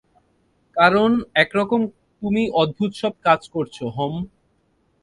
কারণ একরকম তুমি অদ্ভুত সব কাজ করেছো হম।